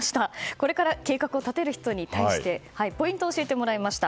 これから計画を立てる人に対してポイントを教えてもらいました。